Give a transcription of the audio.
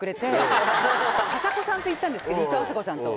あさこさんと行ったんですけどいとうあさこさんと。